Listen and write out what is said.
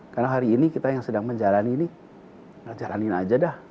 karena hari ini kita yang sedang menjalani ini ngejalanin aja dah